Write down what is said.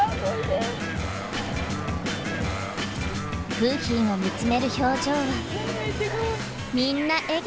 楓浜を見つめる表情はみんな笑顔。